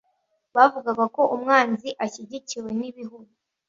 Bavugaga ko umwanzi ashyigikiwe n’ibihugu